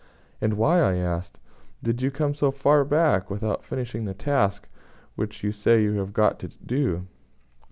"And why?" I asked, "did you come so far back without finishing the task which you say you have got to do?"